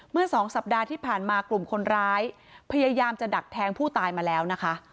สองสัปดาห์ที่ผ่านมากลุ่มคนร้ายพยายามจะดักแทงผู้ตายมาแล้วนะคะ